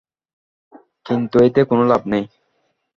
কিন্তু এতে কোনো লাভ নেই।